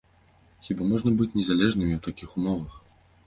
Хіба можна быць незалежнымі ў такіх умовах?